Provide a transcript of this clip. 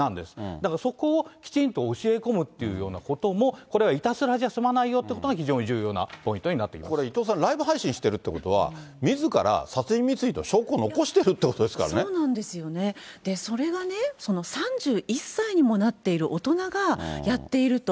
だからそこをきちんと教え込むっていうようなことも、これはいたずらじゃ済まないよというようなことが非常に重要なポこれ伊藤さん、ライブ配信してるっていうことは、みずから殺人未遂と証拠を残してるというこそうなんですよね、それがね、３１歳にもなっている大人がやっていると。